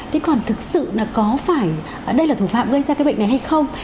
thế còn thực sự là có phải đây là thủ phạm gây ra cái bệnh này hay không